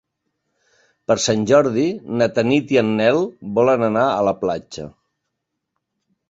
Per Sant Jordi na Tanit i en Nel volen anar a la platja.